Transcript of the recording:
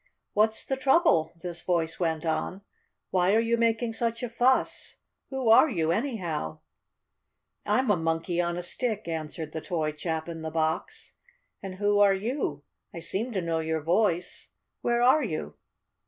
"What's the trouble?" this voice went on. "Why are you making such a fuss? Who are you, anyhow?" "I'm a Monkey on a Stick," answered the toy chap in the box. "And who are you? I seem to know your voice. Where are you?"